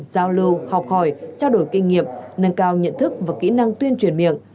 giao lưu học hỏi trao đổi kinh nghiệm nâng cao nhận thức và kỹ năng tuyên truyền miệng